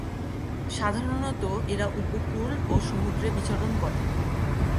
সাধারণত এরা উপকূল ও সমুদ্রে বিচরণ করে।